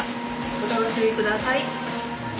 お楽しみ下さい。